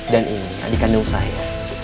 dan ini adikannya usahir